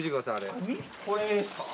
これですか？